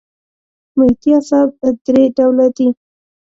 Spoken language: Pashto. محیطي اعصاب درې ډوله دي.